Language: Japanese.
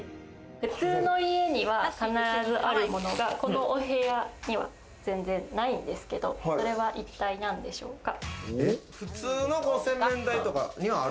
普通の家には必ずあるものがこのお部屋には全然ないんですけど、それは一体何でしょうか。